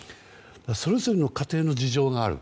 それぞれの家庭の事情がある。